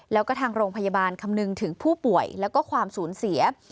แล้วก็ทางโรงพยาบาลคำนึงถึงผู้ป่วยแล้วก็ความสูญเสีย